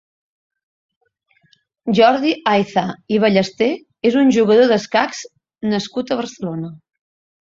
Jordi Ayza i Ballester és un jugador d'escacs nascut a Barcelona.